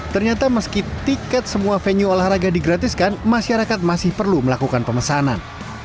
ternyata meski tiket semua venue olahraga digratiskan masyarakat masih perlu melakukan pemesanan